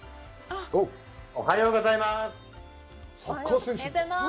おはようございます。